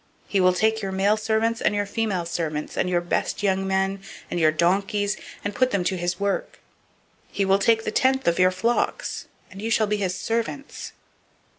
008:016 He will take your male servants, and your female servants, and your best young men, and your donkeys, and put them to his work. 008:017 He will take the tenth of your flocks: and you shall be his servants.